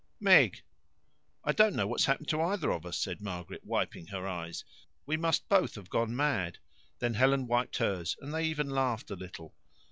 Meg " "I don't know what's happened to either of us," said Margaret, wiping her eyes. "We must both have gone mad." Then Helen wiped hers, and they even laughed a little.